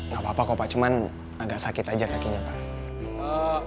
gak apa apa kok pak cuman agak sakit aja kakinya pak